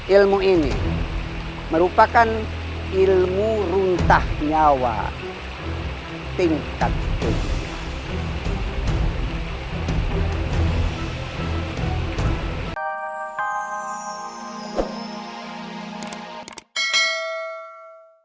ilmu ini merupakan ilmu runtah nyawa tingkat dunia